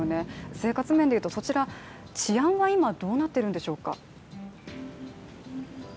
生活面でいうと、治安は今、どうなっているんでしょうか？